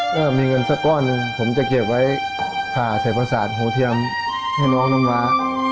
ก็มีเงินสักก้อนหนึ่งผมจะเก็บไว้ผ่าใส่ประสาทหูเทียมให้น้องน้ำว้า